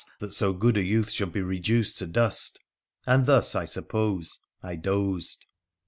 that so good a youth should be reduced to dust — and thus, I suppose, I dozed.